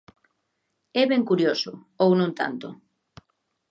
É ben curioso, ou non tanto.